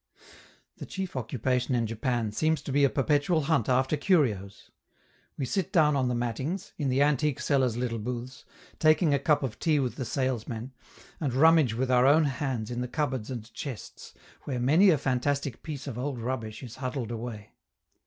The chief occupation in Japan seems to be a perpetual hunt after curios. We sit down on the mattings, in the antique sellers' little booths, taking a cup of tea with the salesmen, and rummage with our own hands in the cupboards and chests, where many a fantastic piece of old rubbish is huddled away.